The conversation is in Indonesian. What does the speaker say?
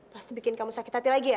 pasti bikin kamu sakit hati lagi ya